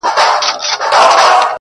زموږ پر تندي به وي تیارې لیکلي!.